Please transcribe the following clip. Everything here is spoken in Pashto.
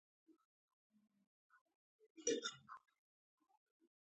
زموږ د کاریز وياله د اوداسه لپاره مساعده وه.